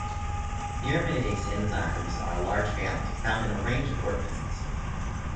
Neuraminidase enzymes are a large family, found in a range of organisms.